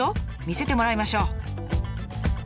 見せてもらいましょう。